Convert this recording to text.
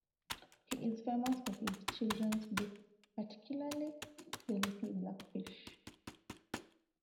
He is famous for his children's books, particularly "The Little Black Fish".